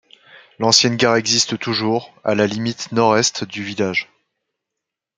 L'ancienne gare existe toujours, à la limite nord-est du village.